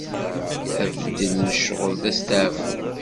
Abeddel n ccɣel d astaɛfu.